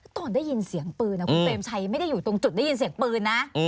ตอนได้ยินเสียงปืนคุณเปรมชัยไม่ได้อยู่ตรงจุดได้ยินเสียงปืนนะ